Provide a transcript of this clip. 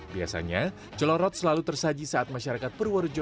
biasanya celorot selalu tersaji saat masyarakat purworejo